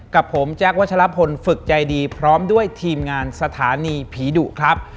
กับผมแจ๊ควัชลพลฝึกใจดีพร้อมด้วยทีมงานสถานีผีดุครับ